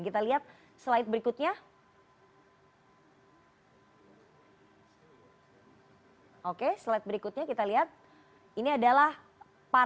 tim liputan cnn indonesia